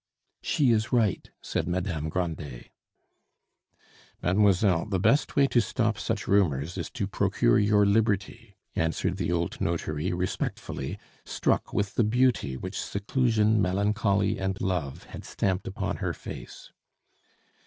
"She is right," said Madame Grandet. "Mademoiselle, the best way to stop such rumors is to procure your liberty," answered the old notary respectfully, struck with the beauty which seclusion, melancholy, and love had stamped upon her face.